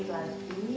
papa kerjain sendiri